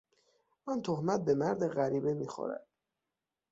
آن تهمت به مرد غریبه میخورد.